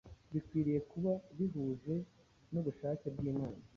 bikwiriye kuba bihuje n’ubushake bw’Imana.